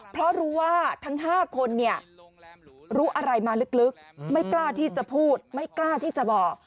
เพราะรู้ว่าทั้ง๕คนเนี่ยรู้อะไรมาลึกไม่กล้าที่จะพูดไม่กล้าที่จะบอก